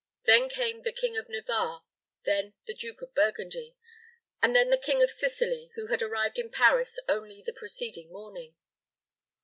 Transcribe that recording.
Then came the King of Navarre, then the Duke of Burgundy, and then the King of Sicily, who had arrived in Paris only on the preceding morning.